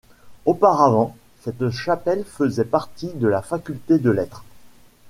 Auparavant, cette chapelle faisait partie de la faculté de Lettres.